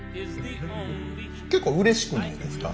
結構うれしくないですか？